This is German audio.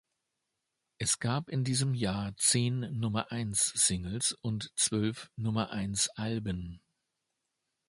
Es gab in diesem Jahr zehn Nummer-eins-Singles und zwölf Nummer-eins-Alben.